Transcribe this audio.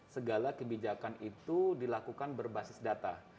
segala kebijakan itu dilakukan berbasis data